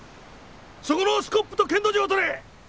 そこのスコップと検土杖を取れ！